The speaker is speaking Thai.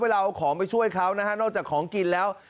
เราเอาของไปช่วยเขานะฮะนอกจากของกินแล้ว